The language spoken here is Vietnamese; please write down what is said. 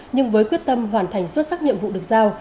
nhưng với quyết tâm hoàn thành xuất sắc nhiệm vụ được giao